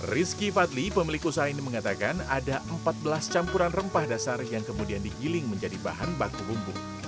rizky fadli pemilik usaha ini mengatakan ada empat belas campuran rempah dasar yang kemudian digiling menjadi bahan baku bumbu